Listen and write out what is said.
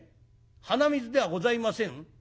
鼻水ではございません？